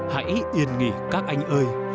hãy yên nghỉ các anh ơi